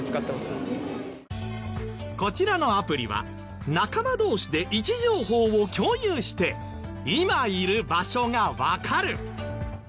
こちらのアプリは仲間同士で位置情報を共有して今いる場所がわかる。